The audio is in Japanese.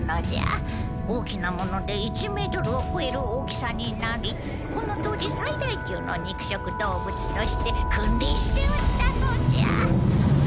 大きなもので１ｍをこえる大きさになりこの当時最大級の肉食動物として君りんしておったのじゃ。